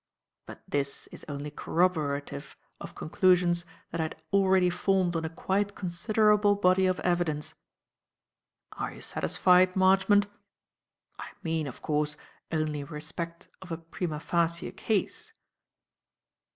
But this is only corroborative of conclusions that I had already formed on a quite considerable body of evidence. Are you satisfied, Marchmont? I mean, of course, only in respect of a prima facie case."